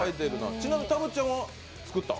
ちなみにたぶっちゃんは作った？